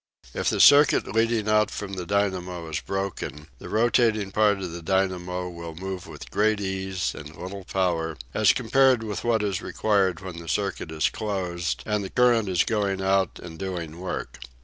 If the circuit leading out from the dynamo is broken, the rotating part of the dynamo will move with great ease and little power, as compared with what is required when the circuit is closed, and the current is going out and doing work.